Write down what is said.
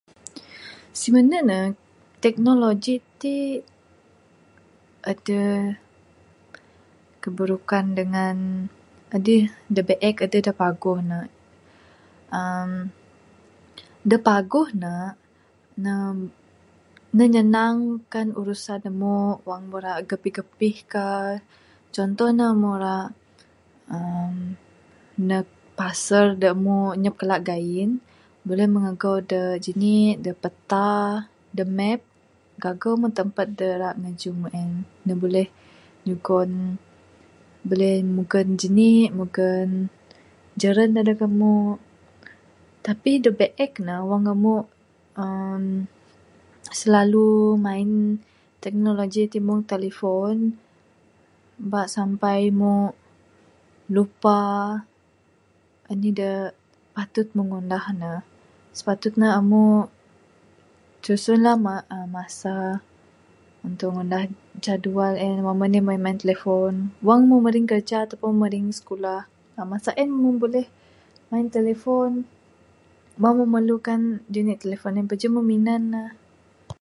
Simene ne teknologi ti adeh keburukan dangan adeh da biek adeh da paguh ne uhh da paguh ne. Ne nyanangkan urusan amu wang mu ra gapih gapih ka contoh ne amu ra uhh neg pasar da mu nyap kala gain buleh mu magau da jani'k da peta da map gagau mu tampat da ra najung mu en ne buleh nyugon. Buleh mugon jani'k mugon jaran ne neg amu. Tapi da biek ne wang amu uhh silalu main teknologi ti meng telephone ba sampai mu lupa anih da patut mu ngundah ne sipatut ne amu susunlah masa untuk ngunah jadual en. Wang anih main main telephone. Wang mu maring kiraja ato pun maring sikulah masa en mu buleh main telephone ba mu memerlukan telephone seen baru mu minan ne